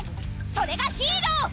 それがヒーロー！